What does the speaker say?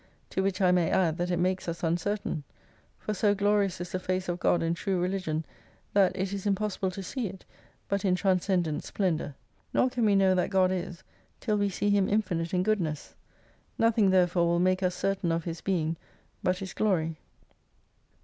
To which I may add, that it makes us uncertain. For so glorious is the face of God and true religion, that it is impossible to see it, but in transcendent splendour. Nor can we know that God is till we see Him infinite in goodness. Nothing therefore will make us certain of His Being but His Glory.